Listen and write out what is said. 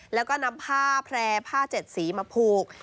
แล้วก็นำผ้าแพร่ผ้า๗สีมาผูก